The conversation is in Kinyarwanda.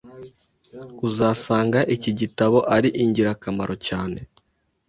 uzasanga iki gitabo ari ingirakamaro cyane.